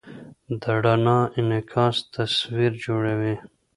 د رڼا انعکاس تصویر جوړوي.